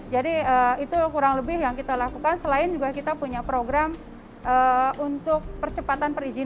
jadi itu kurang lebih yang kita lakukan selain juga kita punya program untuk percepatan perizinan